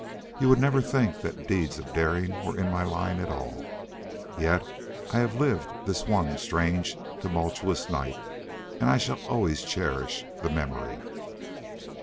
You would never think that deeds of daring were in my line at all. Yet I have lived this one strange tumultuous night, and I shall always cherish the memory.